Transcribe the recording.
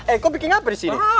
eh kok bikin apa di sini